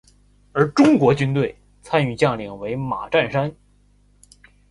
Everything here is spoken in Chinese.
而中国军队参与将领为马占山。